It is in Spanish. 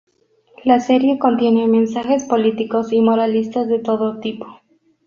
La serie contiene mensajes políticos y moralistas de todo tipo.